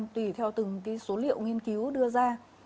tùy theo từng số liệu nghiên cứu đưa ra